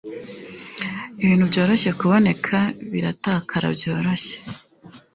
Ibintu byoroshye kuboneka biratakara byoroshye